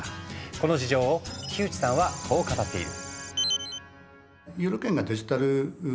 この事情を木内さんはこう語っている。